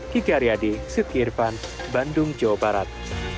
kiki aryadi siti irfan bandung jawa barat